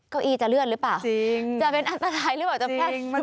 เก้าอี้จะเลื่อนหรือเปล่าจะเป็นอันตรายหรือเปล่าจะแพร่หรือเปล่า